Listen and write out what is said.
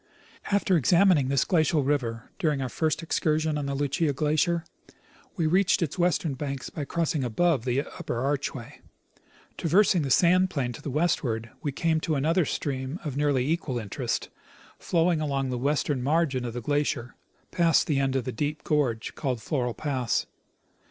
After examining this glacial river, during our first excursion on the Lucia glacier, we reached its western banks by crossing 108 I. C. Russell — Expedition to Mount St. Elias. above the upper archway. Traversing the sand plain to the westward, we came to another stream of nearly equal interest, flowing along the western margin of the glacier, past the end of the deep gorge called Floral pass.